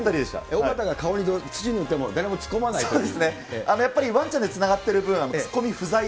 尾形が顔に土塗ってもだれも突っ込まないという。